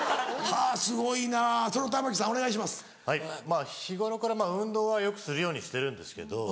はいまぁ日頃から運動はよくするようにしてるんですけど。